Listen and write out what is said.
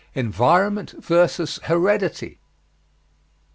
ENVIRONMENT VS. HEREDITY.